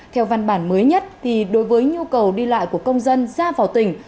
theo văn bản mới nhất đối với nhu cầu đi lại của công dân ra vào tỉnh